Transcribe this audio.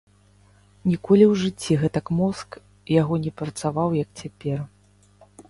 Ніколі ў жыцці гэтак мозг яго не працаваў, як цяпер.